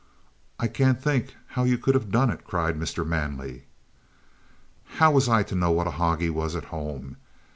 "I can't think how you could have done it!" cried Mr. Manley. "How was I to know what a hog he was at home?